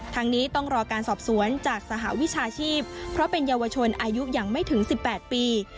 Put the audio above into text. ทั้งนี้ต้องรอการสอบสวนจากสหวิชาชีพเพราะเป็นเยาวชนอายุยังไม่ถึง๑๘ปี